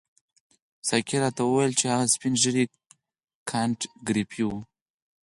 ساقي راته وویل چې هغه سپین ږیری کانت ګریفي وو.